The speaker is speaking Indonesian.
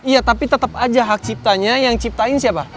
iya tapi tetap aja hak ciptanya yang ciptain siapa